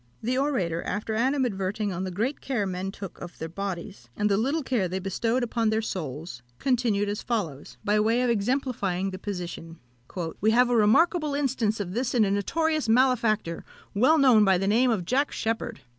The orator, after animadverting on the great care men took of their bodies, and the little care they bestowed upon their souls, continued as follows, by way of exemplifying the position: "We have a remarkable instance of this in a notorious malefactor, well known by the name of Jack Sheppard.